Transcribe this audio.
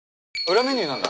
裏メニューなんだ。